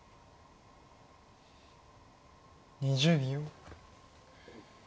２０秒。